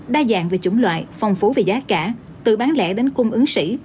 đa dạng về chủng loại phong phú về giá cả từ bán lẻ đến cung ứng sĩ